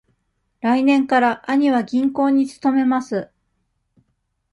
来年から兄は銀行に勤めます。